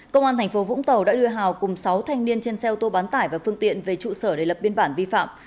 công an tp vũng tàu đã đưa hào cùng sáu thanh niên trên xe ô tô bán tải và phương tiện về trụ sở để lập biên bản vi phạm